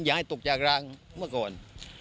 ให้ตกจากรางเมื่อก่อน